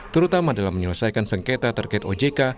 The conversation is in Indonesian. terutama dalam menyelesaikan sengketa terkait ojk